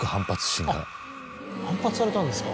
あっ反発されたんですか。